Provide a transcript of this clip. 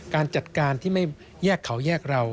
การจัดการที่ไม่แยกเขาแยกเรา